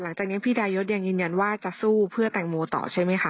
หลังจากนี้พี่ดายศยังยืนยันว่าจะสู้เพื่อแตงโมต่อใช่ไหมคะ